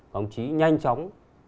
các ông chí nhanh chóng